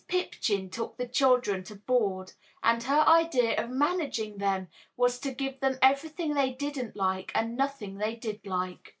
Pipchin took little children to board, and her idea of "managing" them was to give them everything they didn't like and nothing they did like.